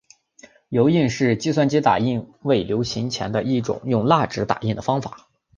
油印是在计算机打印未流行前的一种用蜡纸印刷的方法。